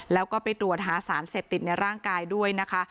แล้วก็ไปตรวจหาสารเสพติดในร่างกายด้วยนะคะ